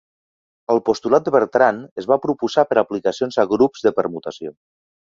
El postulat de Bertrand es va proposar per aplicacions a grups de permutació.